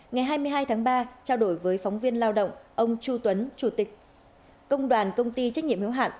ngày hai mươi hai tháng ba trao đổi với phóng viên lao động ông chu tuấn chủ tịch công đoàn công ty trách nhiệm hiếu hạn